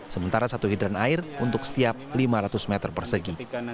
sementara satu hidran air untuk setiap lima ratus meter persegi